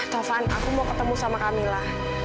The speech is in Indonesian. taufan aku mau ketemu sama kamila